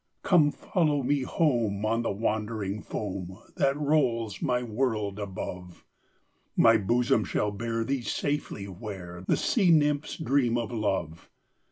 "Come follow me home on the wandering foam, That rolls my world above! My bosom shall bear thee safely where The Sea nymphs dream of love.